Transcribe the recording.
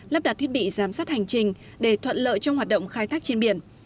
lắp đặt thiết bị giám sát hành trình để thuận lợi trong hoạt động khai thác trên biển